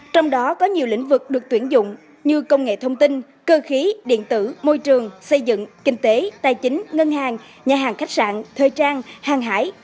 trong đó có nhiều lĩnh vực được tuyển dụng như công nghệ thông tin cơ khí điện tử môi trường xây dựng kinh tế tài chính ngân hàng nhà hàng khách sạn thời trang hàng hải